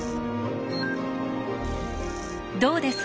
どうです？